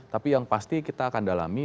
tapi yang pasti kita akan dalami